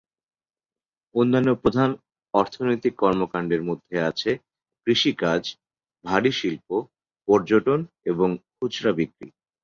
অন্যান্য প্রধান অর্থনৈতিক কর্মকাণ্ডের মধ্যে আছে কৃষিকাজ, ভারী শিল্প, পর্যটন এবং খুচরা বিক্রি।